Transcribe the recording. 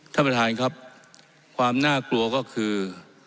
ท่านประธานครับความน่ากลัวก็คือ